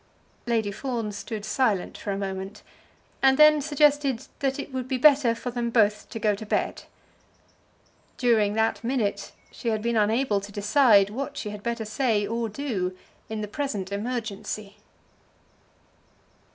Lady Fawn stood silent for a moment, and then suggested that it would be better for them both to go to bed. During that minute she had been unable to decide what she had better say or do in the present emergency.